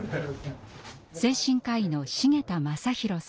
精神科医の繁田雅弘さん。